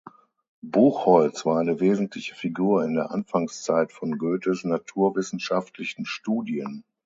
Buchholz war eine wesentliche Figur in der Anfangszeit von Goethes naturwissenschaftlichen Studien.